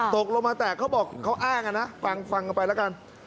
ตกลงมาแตกเขาบอกเขาอ้างนะฟังกันไปแล้วกัน